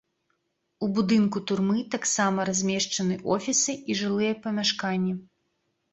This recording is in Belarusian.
У будынку турмы таксама размешчаны офісы і жылыя памяшканні.